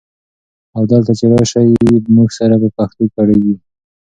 او دلته چې راشي موږ سره به په پښتو ګړېیږي؛